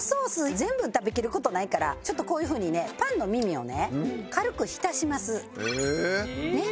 全部食べきる事ないからちょっとこういうふうにねパンの耳をね軽く浸します。ね？